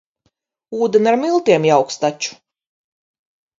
Ūdeni ar miltiem jauks taču.